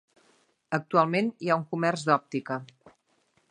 Actualment hi ha un comerç d'òptica.